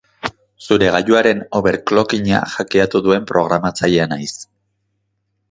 Zure gailuaren overclockinga hackeatu duen programatzailea naiz.